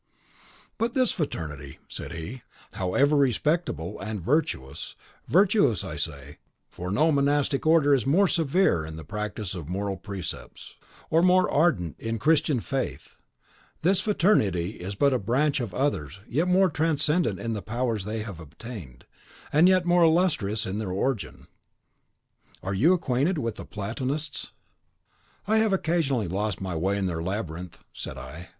"But this fraternity," said he, "however respectable and virtuous, virtuous I say, for no monastic order is more severe in the practice of moral precepts, or more ardent in Christian faith, this fraternity is but a branch of others yet more transcendent in the powers they have obtained, and yet more illustrious in their origin. Are you acquainted with the Platonists?" "I have occasionally lost my way in their labyrinth," said I.